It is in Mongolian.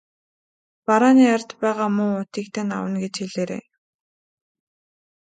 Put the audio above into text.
Барааны ард байгаа муу уутыг тань авна гэж хэлээрэй.